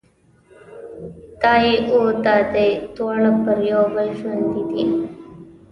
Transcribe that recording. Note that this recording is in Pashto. دای او دادۍ دواړه پر یو بل ژوندي دي.